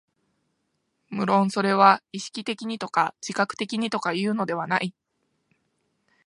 無論それは意識的にとか自覚的にとかいうのではない。